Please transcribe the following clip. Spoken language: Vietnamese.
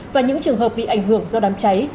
và những trường hợp bị ảnh hưởng do đám cháy